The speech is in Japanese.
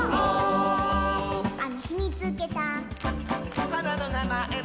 「あのひみつけた」「はなのなまえも」